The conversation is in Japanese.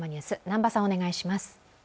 南波さん、お願いします。